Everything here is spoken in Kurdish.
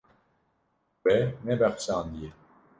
Wê nebexşandiye.